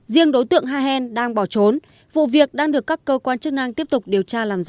riêng đối tượng ha hen đang bỏ trốn vụ việc đang được các cơ quan chức năng tiếp tục điều tra làm rõ